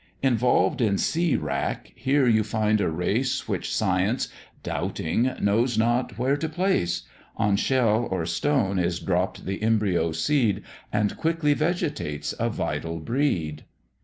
Involved in sea wrack, here you find a race Which science, doubting, knows not where to place; On shell or stone is dropp'd the embryo seed, And quickly vegetates a vital breed.